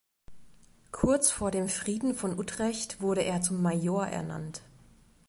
Kurz vor dem Frieden von Utrecht wurde er zum Major ernannt.